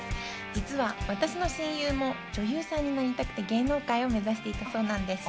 実は私の親友も女優さんになりたくて芸能界を目指していたそうなんです。